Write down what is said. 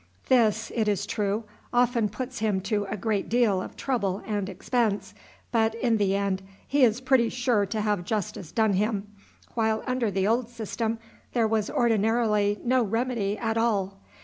This, it is true, often puts him to a great deal of trouble and expense, but, in the end, he is pretty sure to have justice done him, while under the old system there was ordinarily no remedy at all.